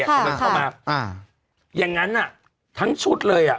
มันจะเข้ามาอย่างนั้นอ่ะทั้งชุดเลยอ่ะ